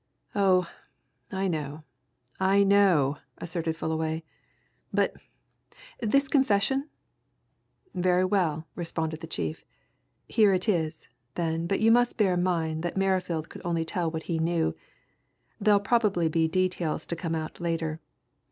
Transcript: "Oh, I know I know!" asserted Fullaway. "But this confession?" "Very well," responded the chief. "Here it is, then but you must bear in mind that Merrifield could only tell what he knew there'll probably be details to come out later.